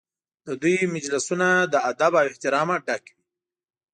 د دوی مجلسونه له ادب او احترامه ډک وي.